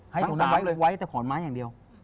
ให้ตรงนั้นไว้แต่ขอนไม้อย่างเดียว